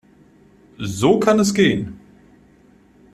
So kann es gehen.